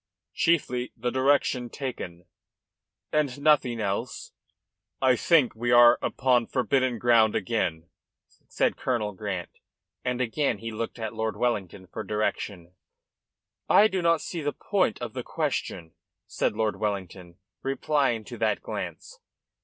"Chiefly the direction taken." "And nothing else?" "I think we are upon forbidden ground again," said Colonel Grant, and again he looked at Lord Wellington for direction. "I do not see the point of the question," said Lord Wellington, replying to that glance.